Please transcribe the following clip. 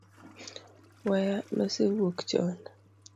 Waya nosewuok chon